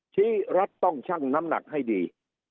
รัฐต้องชั่งน้ำหนักให้ดี